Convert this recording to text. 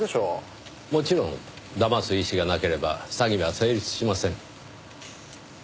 もちろん騙す意思がなければ詐欺は成立しません。